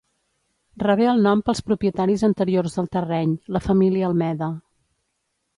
Rebé el nom pels propietaris anteriors del terreny, la família Almeda.